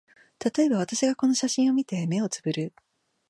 たとえば、私がこの写真を見て、眼をつぶる